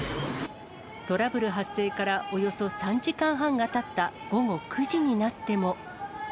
トラブル発生からおよそ３時間半がたった午後９時になっても。